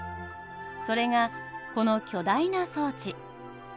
それがこの巨大な装置。